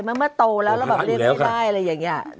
เมื่อเมื่อโตแล้วเราบอกไม่ได้อะไรอย่างนี้